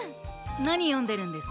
なによんでるんですか？